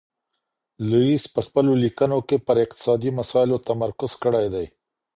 لویس په خپلو لیکنو کي پر اقتصادي مسایلو تمرکز کړی دی.